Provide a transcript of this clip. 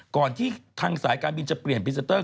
ก่อนที่ถ้างสายการบิลจะเปลี่ยน๕๗๐๐หลักบินสเตอร์